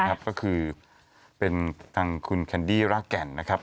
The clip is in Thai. ก็คือเป็นทางคุณแคนดี้รากแก่นนะครับ